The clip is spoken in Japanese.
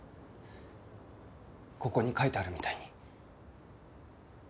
ここに書いてあるみたいに。